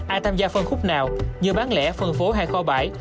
ai tham gia phân khúc nào như bán lẻ phân phối hay kho bãi